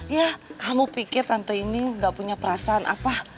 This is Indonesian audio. ya kamu pikir antri ini gak punya perasaan apa